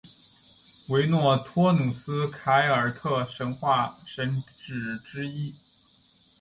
维诺托努斯凯尔特神话神只之一。